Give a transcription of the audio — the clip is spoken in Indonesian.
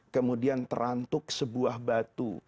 kemudian terantuk sebuah batu